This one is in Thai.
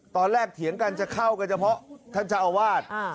ตอนแรกเถียงกันจะเข้ากันเฉพาะท่านชาวอาวาส